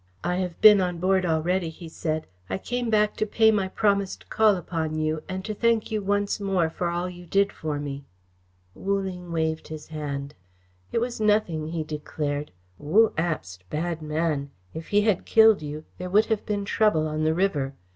"I have been on board already," he said. "I came back to pay my promised call upon you and to thank you once more for all you did for me." Wu Ling waved his hand. "It was nothing," he declared. "Wu Abst, bad man. If he had killed you, there would have been trouble on the river.